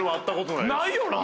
ないよな